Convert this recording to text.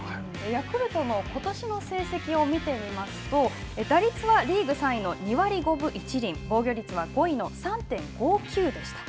ヤクルトのことしの成績を見てみますと、打率はリーグ３位の２割５分１厘、防御率は５位の３．５９でした。